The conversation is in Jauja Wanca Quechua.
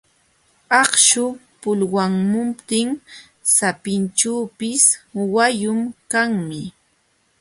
Akśhu pulwamutin sapinćhuupis wayun kanmi.